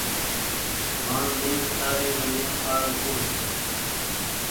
مآ مين تيآري ڪني آرو ڇون۔